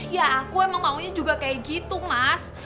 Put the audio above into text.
ya aku emang maunya juga kayak gitu mas